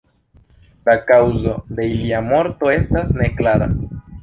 La kaŭzo de ilia morto estas neklara.